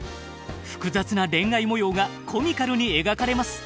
複雑な恋愛模様がコミカルに描かれます。